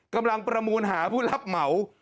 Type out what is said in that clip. กำลังประมูลหาผู้รับเหมา